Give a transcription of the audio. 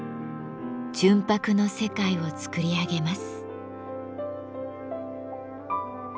純白の世界を作り上げます。